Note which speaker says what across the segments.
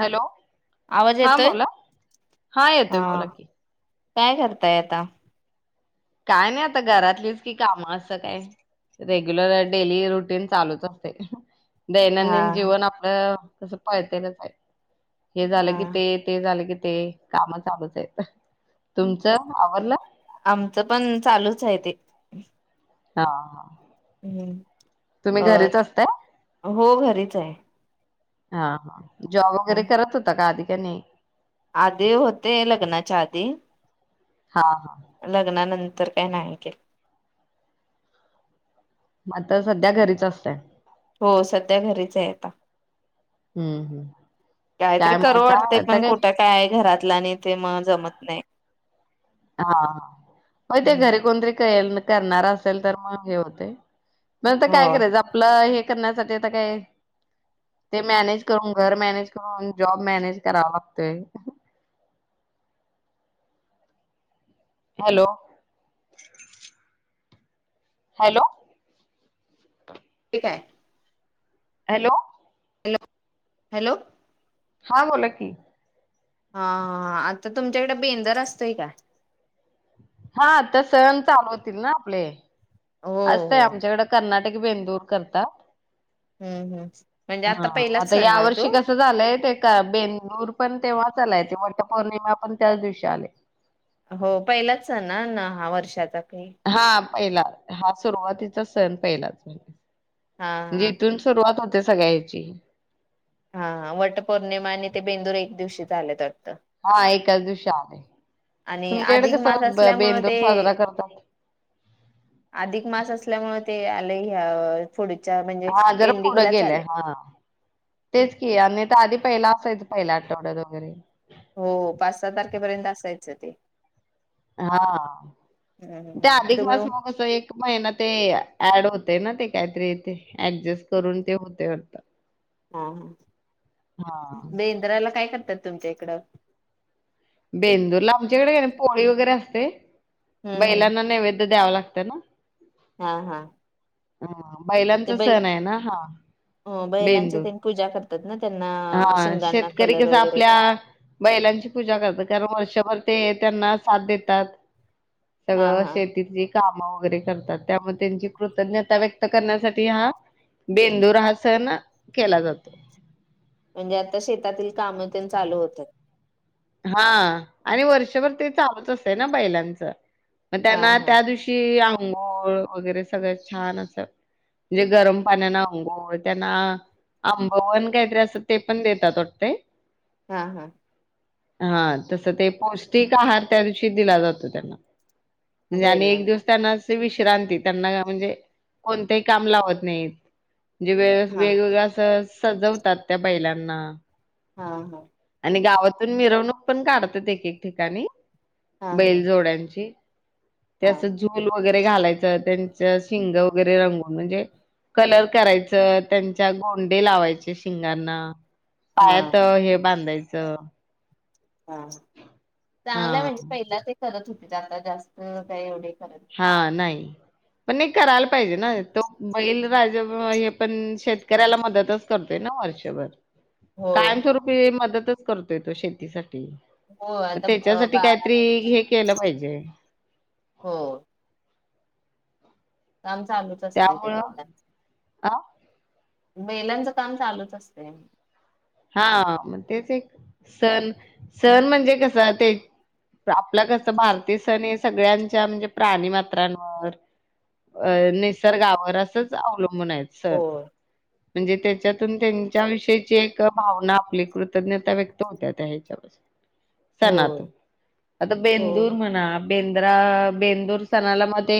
Speaker 1: Hello,
Speaker 2: आवाज
Speaker 1: हा
Speaker 2: येतोय
Speaker 1: बोला हा येतोय बोला की
Speaker 2: काय करताय आता?
Speaker 1: काय नाही आता घरातलीच कि काम असं काय रेग्युलर डेली रुटीन चालूच असते
Speaker 2: हा
Speaker 1: दैनंदिन जीवन आपलं. कसं पळतेलच आहे हे झालं
Speaker 2: हा
Speaker 1: की ते ते झालं की ते काम चालूच आहेत तुमचं आवरल?
Speaker 2: आमचं पण चालूच आहे ते.
Speaker 1: हा हा
Speaker 2: हम्म,
Speaker 1: तुम्ही
Speaker 2: अ
Speaker 1: घरीच असताय
Speaker 2: हो घरीच आहे.
Speaker 1: हा हा जॉब वगैरे करत होता का आधी? त्यांने
Speaker 2: आधी होते
Speaker 1: हा हा
Speaker 2: लग्ना नन तर काय नाही के
Speaker 1: मता सध्या घरीच असताय.
Speaker 2: हो सध्या घरीच आहे. आता.
Speaker 1: हम्म हम्म
Speaker 2: काहीतरी
Speaker 1: काय मग
Speaker 2: करू
Speaker 1: आता
Speaker 2: वाटतेय
Speaker 1: आता
Speaker 2: पण कुठं काय? घरात आणि ते मग जमत नाही.
Speaker 1: हा मग ते घरी कोणतरी कळेल न करणार असेल तर मग हे होतय तर काय
Speaker 2: हो
Speaker 1: करायचं? आपलं हे करण्यासाठी आता काय ते मॅनेज करून, घर मॅनेज करून, जॉब मॅनेज करावा लागतोय. हॅलो. हॅलो.
Speaker 2: ठीक हाय.
Speaker 1: हॅलो
Speaker 2: हॅलो हॅलो
Speaker 1: हा. बोला की.
Speaker 2: हा. हा. आता तुमच्याकडे बेंदर असतय काय?
Speaker 1: हा तर सण चालू होतील ना आपले
Speaker 2: हो
Speaker 1: असतय.
Speaker 2: हो
Speaker 1: आमच्याकडे कर्ना टक बेंदूर करतात.
Speaker 2: हम्म. हम्. म्हणजे
Speaker 1: हा
Speaker 2: आता
Speaker 1: मग
Speaker 2: पहिलाच
Speaker 1: आता
Speaker 2: सण
Speaker 1: या
Speaker 2: ना तो?
Speaker 1: वर्षी कसं झालंय ते का बेंदूर पण तेव्हाच आलाय, वटपौर्णिमा पण त्याच दिवशी आले
Speaker 2: हो. पहिलाच सण न ना हा वर्षाचा काही
Speaker 1: हा. पहिला, हा सुरुवातीचा सण पहिलाच
Speaker 2: हा हा
Speaker 1: जिथून सुरुवात हो त्या सगळ्याची
Speaker 2: हा वट पौर्णिमा आणि ते बेंदूर एक दिवशी चालेत.
Speaker 1: हा एकाच दिवशी आहे.
Speaker 2: आणि
Speaker 1: तुमच्याकडे
Speaker 2: अधिक
Speaker 1: कस
Speaker 2: मास असल्यामुळे
Speaker 1: बेंदूर
Speaker 2: ते
Speaker 1: साजरा करतात?
Speaker 2: त्यामुळे ते आले ह्या पुढ
Speaker 1: हा जरा पुढं गेलेय. हा. तेच की आणि तर आधी पहिला असायचं पहिल्या आठवड्यात वगैरे
Speaker 2: हो. पाच सहा तारखेपर्यंत असायचं ते
Speaker 1: हा.
Speaker 2: हम्म हम्म
Speaker 1: ते
Speaker 2: हम्म.
Speaker 1: अधिक
Speaker 2: तुम्ही
Speaker 1: मास मुळ तो एक महिना ते ऍड होतो होतयना ते काहीतरी ऍडजस्ट करून ते हूतय वाटत
Speaker 2: हा. ह
Speaker 1: हा
Speaker 2: बेंद्राला काय करता? तुमच्या इकडं
Speaker 1: बेंदूर ला आमच्याकडे पोळी वगैरे असते.
Speaker 2: हम्म हम्म
Speaker 1: बैलांना नैवेद द्यावं लागत ते ना
Speaker 2: हा हा
Speaker 1: हा
Speaker 2: ते
Speaker 1: बैलांचा
Speaker 2: बै
Speaker 1: सण आहे ना हा बेंदूर
Speaker 2: रतनईत
Speaker 1: हा शेतकरी कस आपल्या बैलांची पूजा करता कारण वर्षभर ते त्यांना साथ देतात.
Speaker 2: हा
Speaker 1: सगळं
Speaker 2: हा
Speaker 1: शेतीतली काम करतात त्यामुळे त्यांची कृतज्ञता व्यक्त करण्यासाठी हा बेंदूर हा सन केला जातो.
Speaker 2: म्हणजे आता शेतातील काम तेन चालू होतात.
Speaker 1: हा आणि वर्षभर ते चालूच असत ना बैलांचं मग
Speaker 2: हा
Speaker 1: त्यांना
Speaker 2: हा
Speaker 1: त्या दिवशी अंघोळ वगैरे सगळं छान असत म्हणजे गरम पाण्यान अंघोळ त्यांना आंबवन काहीतरी असत ते पण देतात वाटतय
Speaker 2: हा हा
Speaker 1: हा तसं ते पौष्टिक आहार त्या दिवशी दिला जातो त्यांना. म्हणजे आणि एक
Speaker 2: बैलांना
Speaker 1: दिवस त्यांना विश्रांती त्यांना म्हणजे, कोणतेही काम लावत नाहीत. जे वेळे
Speaker 2: हा
Speaker 1: वेगवेगळं असं सजवतात त्या बैलांना
Speaker 2: हा हा
Speaker 1: आणि गावातून मिरवणूक पण काढतात एक एक ठिकाणी
Speaker 2: हा हा
Speaker 1: बैल जोड्यांची ते
Speaker 2: हा
Speaker 1: अस जूल वगैरे घालायचं त्यांच शिंग वगैरे रंगून म्हणजे, कलर करायचं त्यांच्या गोंडे लावायचे शिंगांना. पायात
Speaker 2: हा
Speaker 1: हे बांधायचं. च
Speaker 2: हा चांगलं
Speaker 1: हा.
Speaker 2: म्हणजे पहिला ते तर चूकीच जास्त काय एवढे
Speaker 1: हा नाही पण एक करायला पाहिजे ना, तो बैल राजा हे पण, शेतकऱ्याला मदतच करतोय ना वर्षभर.
Speaker 2: होय होय
Speaker 1: कायमस्वरूपी मदतच करतोय तो शेतीसा
Speaker 2: हो आता
Speaker 1: त्याच्यासाठी
Speaker 2: बारा
Speaker 1: काहीतरी
Speaker 2: महिने
Speaker 1: हे केलं पाहिजे.
Speaker 2: हो काम चालूच असत ते
Speaker 1: त्यामुळं
Speaker 2: बैलांच
Speaker 1: आ
Speaker 2: बैलांचं काम चालूच असतय.
Speaker 1: हा मग तेच एक सण सण म्हणजे कस ते आपलं कस भारतीय सण हे सगळ्यांच्या म्हणजे प्राणी मात्रांवर अ निसर्गावर असंच अवल म्हणायच
Speaker 2: होय
Speaker 1: म्हणजे त्याच्यातून त्यांच्याविषयीची जे भावना आपली कृतज्ञता व्यक्त होत्या त्या ह्याच्या
Speaker 2: होय
Speaker 1: सणातून आता
Speaker 2: हो
Speaker 1: बेंदूर म्हणा बेंद्रा बेंदूर सणाला म ते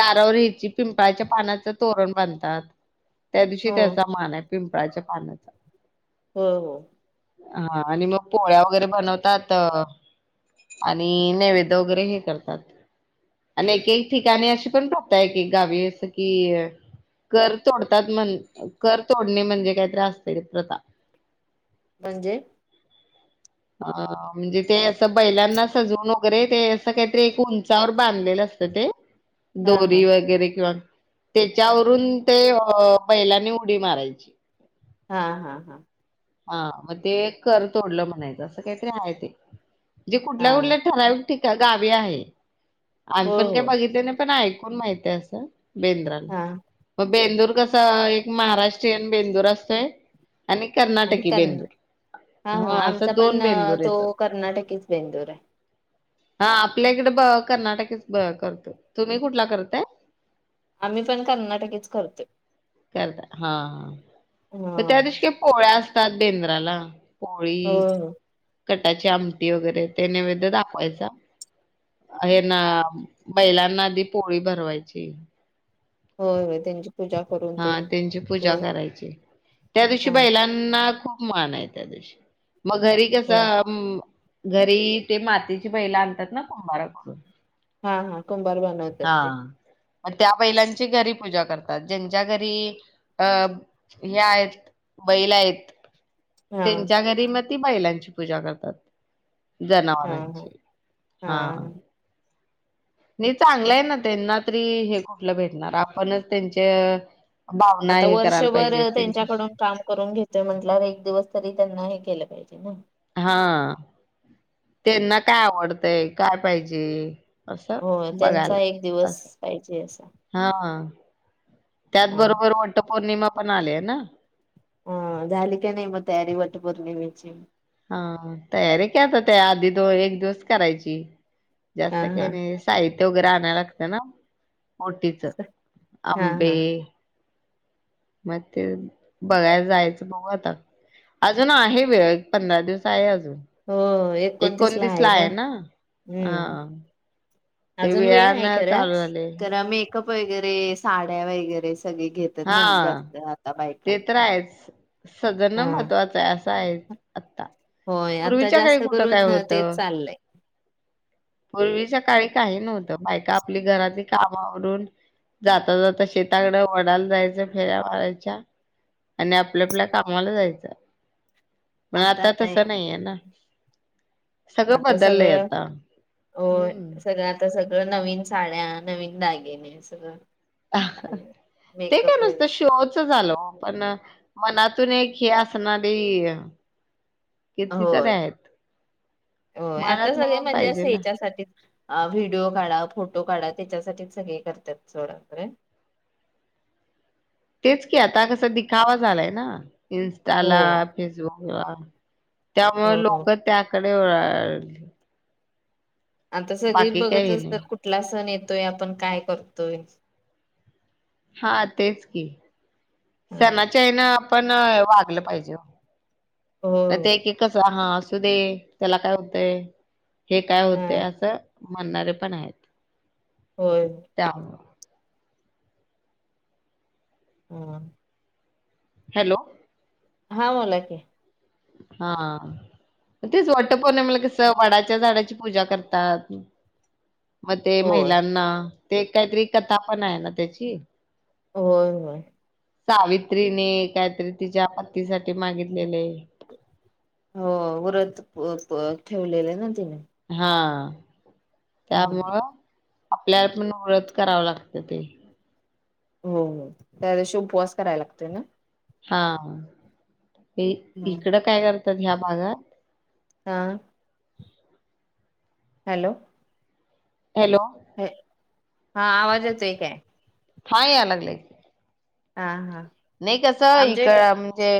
Speaker 1: दारावर ह्याची पिंपळाच्या पानाच तोरण बांधतात. त्या दिवशी
Speaker 2: हो
Speaker 1: त्याचा मानाय पिंपळाच्या पानाचा
Speaker 2: होय हो
Speaker 1: हा आणि मग पोळ्या वगैरे बनवतात आणि नैवेद्य वगैरे हे करतात आणि एक एक ठिकाणी अशी पण प्रथा आहे की गावी असं कि कर तोडतात म्हण कर तोडणे म्हणजे काहीतरी आसतय प्रथा
Speaker 2: म्हणजे?
Speaker 1: अ म्हणजे ते असं बैलांना सजवून वगैरे ते असं काहीतरी एक उंचावर बांधलेलं असतं ते
Speaker 2: हा
Speaker 1: दोरी
Speaker 2: हा
Speaker 1: वगैरे किंवा तेच्यावरून ते अ बैलांनी उडी मारायची.
Speaker 2: हा, हा, हा
Speaker 1: हा मग ते कर तोडलं म्हणायचं असं काहीतरी आहे ते म्हणजे कुठल्या
Speaker 2: हा
Speaker 1: कुठल्या ठराविक ठीक आहे गावी आहे. आज
Speaker 2: हो
Speaker 1: पण काय
Speaker 2: हो
Speaker 1: बघितल नाही पण ऐक कोण माहिती आस
Speaker 2: हा
Speaker 1: बेंद्राला बेंदूर कस एक महाराष्ट्रीयन बेंदूर असतोय आणि
Speaker 2: आणि
Speaker 1: कर्नाटकी
Speaker 2: क
Speaker 1: बेंदूर.
Speaker 2: हा हा
Speaker 1: हां,
Speaker 2: आमचा
Speaker 1: असं
Speaker 2: पण
Speaker 1: बेंदूर
Speaker 2: तो
Speaker 1: येतात.
Speaker 2: कर्नाटकीच या बेंदूर आहे.
Speaker 1: हा आपल्याइकड ब कर्नाटकच ब करतो तुम्ही कुठला करताय?
Speaker 2: आम्ही पण कर्नाटकीच करतोय.
Speaker 1: करता हा
Speaker 2: हा
Speaker 1: त्या दिवशी काय पोळ्या आस त्यात बेंद्राला पोळी
Speaker 2: होय हो
Speaker 1: कटाची आमटी वगैरे ते नैवेद दाखवायचा हे ना बैलांना आधी पोळी भरवायची
Speaker 2: होय होय त्यांची पूजा करून
Speaker 1: हा
Speaker 2: तेनी
Speaker 1: त्यांची पूजा
Speaker 2: होय
Speaker 1: करायची त्या दिवशी
Speaker 2: हा
Speaker 1: बैलांना खूप मान आहे त्या दिवशी मग घरी
Speaker 2: हो
Speaker 1: कसं म घरी ते मातीची बैल आणतात ना कुंभाराकडून
Speaker 2: हा हा कुंभार बनवतात ते
Speaker 1: म त्या बैलांची घरी पूजा करतात जेच्या घरी अ हे आहेत बैल आहेत
Speaker 2: हा
Speaker 1: त्यांच्या घरी म ती बैलांची पूजा करतात.
Speaker 2: हा हा
Speaker 1: जनावरांची हा नई चांगल आय ना, तेंना तरी हे कुठलं भेटणार, आपणच त्यांच
Speaker 2: आता वर्षभर त्यांच्याकडून काम करून घेतोय म्हंटल्यावर, एक दिवस तरी त्यांना हे केलं पाहिजे ना
Speaker 1: हा त्यांना काय आवडतंय, काय पाहिजे? असं
Speaker 2: होय त्यांचा
Speaker 1: बघायला
Speaker 2: एक दिवस
Speaker 1: असं.
Speaker 2: पाहिजे असा
Speaker 1: त्यात
Speaker 2: हा
Speaker 1: बरोबर वटपौर्णिमा पण आल्या ना?
Speaker 2: अ झाली काय नई म तयारी वटपौर्णिमेची?
Speaker 1: हा तयारी काय आता, त्या आधी दो एक दिवस करायची.
Speaker 2: हा
Speaker 1: जास्त काय
Speaker 2: हा
Speaker 1: नई, साहित्य वगैरे आ नाय लागतय ना ओटीच
Speaker 2: हा
Speaker 1: आंबे
Speaker 2: हा
Speaker 1: म ते बघायला जायचं बघू आता, अजून आहे वेळ पंधरा दिवस आहे अजु
Speaker 2: हो एकोणतीस ला आहे ना, उम
Speaker 1: हां, ते
Speaker 2: अजून वेळ हाय
Speaker 1: वेळानं
Speaker 2: खरं,
Speaker 1: चालू झाले.
Speaker 2: कर मेकअप वगैरे, साड्या वगैरे स सगळे घेतात न,
Speaker 1: हां,
Speaker 2: जास्त आता बायका
Speaker 1: सजनं
Speaker 2: हा
Speaker 1: महत्त्वाच आहे असं आहे आता,
Speaker 2: होय आता
Speaker 1: पूर्वीच्या काळी
Speaker 2: जास्त
Speaker 1: कुठं काय
Speaker 2: करून तेच
Speaker 1: होतं.
Speaker 2: चाललंय.
Speaker 1: पूर्वीच्या काळी काही नव्हतं, बायका आपली घरातील कामं आवरून जाता जाता शेताकड वडाला जायचं, फेऱ्या मारायच्या आणि आपल्या आपल्या कामाला जायचं. पण आता तसं नई ये ना सगळं
Speaker 2: आता
Speaker 1: बदललय
Speaker 2: सगळं
Speaker 1: आता
Speaker 2: होय
Speaker 1: हम्म.
Speaker 2: सगळं आता सगळं नवीन साड्या, नवीन दागिने सगळं चालेल.
Speaker 1: ते काय
Speaker 2: मेकअप
Speaker 1: नुसत
Speaker 2: वगैरे
Speaker 1: शो च झालं ओ पण मनातून एक हे असणारी कितीतरी
Speaker 2: होय,
Speaker 1: आहेत
Speaker 2: होय आता
Speaker 1: मनातन
Speaker 2: सगळे
Speaker 1: पण
Speaker 2: म्हणजे अस
Speaker 1: पाहिजे ना
Speaker 2: हेच्यासाठीच अ व्हिडिओ काढा, फोटो काढा. त्येच्यासाठीच सगळे करत्यात सोडा खरं
Speaker 1: तेच की आता कस दिखावा झालाय ना इनस्टाला,
Speaker 2: हो.
Speaker 1: फेसबुक [unintelligible] त्यामुळ
Speaker 2: हो हो
Speaker 1: लोकं त्याक [unintelligible] वळाली.
Speaker 2: आता सगळी
Speaker 1: बाकी
Speaker 2: बघत
Speaker 1: काही
Speaker 2: असतात,
Speaker 1: नाही
Speaker 2: कुठला सण ये ते आपण काय करतोय.
Speaker 1: हा तेच की
Speaker 2: हा
Speaker 1: सणाच्या ह्यानं पण वागलं पाहिजे
Speaker 2: हो
Speaker 1: ते एक एक कस हा असू दे त्याला काय होतय हे काय
Speaker 2: हा
Speaker 1: होतंय अस म्हणणारे पण आहेत
Speaker 2: होय.
Speaker 1: त्यामुळं
Speaker 2: हो.
Speaker 1: हॅलो.
Speaker 2: हा बोला की
Speaker 1: हा तेच वट पौर्णिमेला कस वडाच्या झाडाची पूजा करतात मग ते
Speaker 2: होय.
Speaker 1: महिलांना ते काहीतरी कथा पण आहे ना त्याची
Speaker 2: होय होय.
Speaker 1: सावित्रीने काहीतरी तिच्या पतीसाठी मागितलेले
Speaker 2: हो व्रत व्रत ठेवलेल ना तिने
Speaker 1: हा.
Speaker 2: हम्म.
Speaker 1: त्यामुळं आपल्याला पण व्रत करावं लागत ते.
Speaker 2: हो हो त्या दिवशी उपवास कराय लागतोय ना
Speaker 1: हा. इ
Speaker 2: हम्म.
Speaker 1: इकडं काय कर तर ह्या भागात
Speaker 2: हा.
Speaker 1: [inaudible]
Speaker 2: हॅलो.
Speaker 1: हॅलो.
Speaker 2: हा, आवाज येतोय काय?
Speaker 1: हा यायला लागलाय की
Speaker 2: हा हा.
Speaker 1: नाही कसं
Speaker 2: आमच्या
Speaker 1: इक
Speaker 2: इकडे
Speaker 1: म्हणजे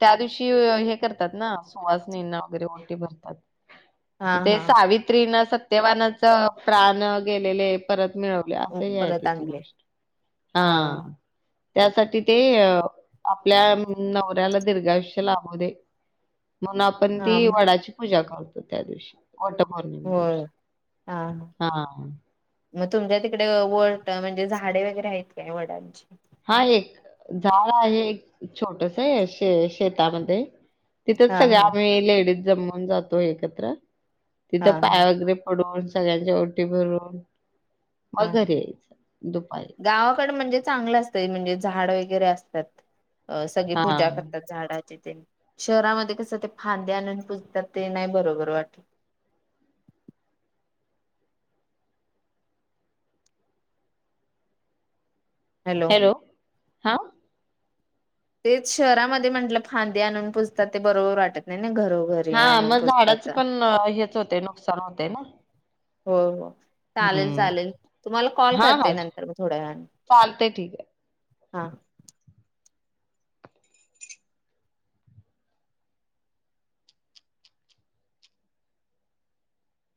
Speaker 1: त्या दिवशी हे करतात ना सुवासिनींना वगैरे ओंटी भरतात.
Speaker 2: हा
Speaker 1: ते
Speaker 2: हा
Speaker 1: सावित्री न सत्य सत्यवानाच प्राण गेलेले परत मिळवल्या अस हे आहे
Speaker 2: परत
Speaker 1: त्याची
Speaker 2: आणले
Speaker 1: गोष्ट हा त्यासाठी ते आपल्या नवऱ्याला दीर्घा आयुष्य लाभू दे म्हणून आपण
Speaker 2: हा
Speaker 1: ती वडाची पूजा करतो. त्या दिवशी- वटपौर्णिमे दिवशी
Speaker 2: होय हा हा.
Speaker 1: ह-
Speaker 2: मग तुमच्या तिकडे वट म्हणजे झाडे वगैरे आहेत काय वडांची-
Speaker 1: हा एक झाड आहे एक छोटसय शे शेतामध्ये - तिथंच
Speaker 2: हा
Speaker 1: सगळ
Speaker 2: हा
Speaker 1: आम्ही लेडीज- जमून जातो एकत्र - तिथं
Speaker 2: हा
Speaker 1: पाय
Speaker 2: हा
Speaker 1: वगैरे पडून- सगळ्यांच्या ओटी भरून- मग
Speaker 2: हा.
Speaker 1: घरी यायचं दुपारी -
Speaker 2: गावाकड म्हणजे चांगलं असतंय म्हणजे झाड वगैरे असतात. अ सगळी
Speaker 1: हा
Speaker 2: पूजा करतात झाडाची- शहरामध्ये कस ते फांदे आणून पुजतात ते नाही बरोबर वाटत.
Speaker 1: हॅलो हा.
Speaker 2: तेच शहरामध्ये म्हटलं फांदी आणून पुूजतात ते बरोबर वाटत नाही. ना घरोघरी
Speaker 1: हा
Speaker 2: आणून
Speaker 1: मग झाडाच
Speaker 2: पुजतात.
Speaker 1: पण हेच होते नुकसान होते ना.
Speaker 2: हो हो. चालेल
Speaker 1: हम्म
Speaker 2: चालेल तुम्हाला कॉल
Speaker 1: हा
Speaker 2: करते
Speaker 1: हा
Speaker 2: नंतर म थोड्या वेळाने.
Speaker 1: चालते ठीक आहे
Speaker 2: हां.